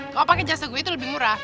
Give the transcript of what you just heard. kalau pakai jasa gue itu lebih murah